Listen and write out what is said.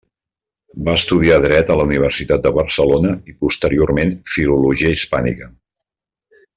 Va estudiar Dret a la Universitat de Barcelona i posteriorment Filologia Hispànica.